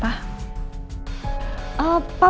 papa udah siap ko